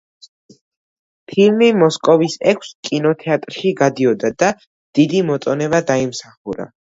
ფილმი მოსკოვის ექვს კინოთეატრში გადიოდა და დიდი მოწონება დაიმსახურა.